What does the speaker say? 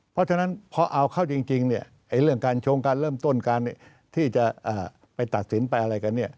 เพราะฉะนั้นพอเอาเข้าจริงเรื่องการชงการเริ่มต้นการที่จะไปตัดสินไปอะไรกันเนี่ย